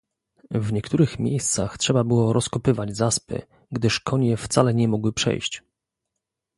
"W niektórych miejscach trzeba było rozkopywać zaspy, gdyż konie wcale nie mogły przejść."